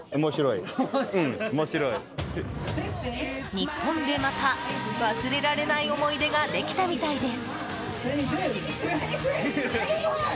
日本でまた忘れられない思い出ができたみたいです。